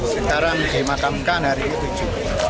sekarang dimakamkan hari ke tujuh